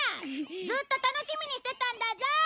ずっと楽しみにしてたんだぞ！